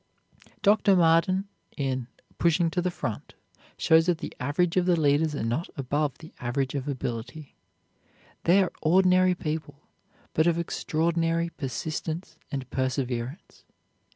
Dr. Marden, in "Pushing to the Front," shows that the average of the leaders are not above the average of ability. They are ordinary people, but of extraordinary persistence and perseverance.